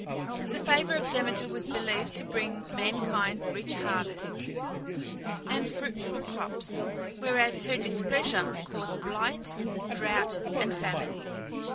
The favour of Demeter was believed to bring mankind rich harvests and fruitful crops, whereas her displeasure caused blight, drought, and famine.